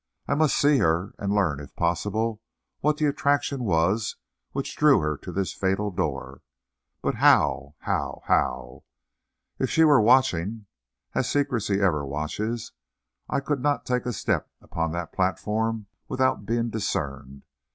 I must see her, and learn, if possible, what the attraction was which drew her to this fatal door. But how, how, how? If she were watching, as secrecy ever watches, I could not take a step upon that platform without being discerned.